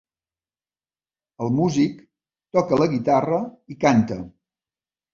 El músic toca la guitarra i canta.